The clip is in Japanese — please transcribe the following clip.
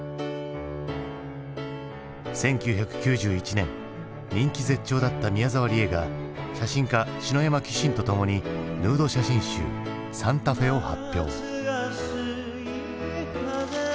１９９１年人気絶頂だった宮沢りえが写真家篠山紀信とともにヌード写真集「ＳａｎｔａＦｅ」を発表。